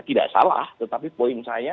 tidak salah tetapi poin saya